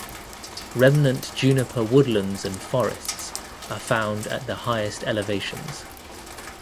Remnant Juniper woodlands and forests are found at the highest elevations.